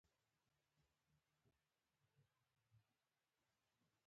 د کچالو ګل د څه لپاره وکاروم؟